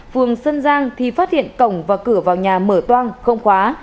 vườn sân giang thì phát hiện cổng và cửa vào nhà mở toan không khóa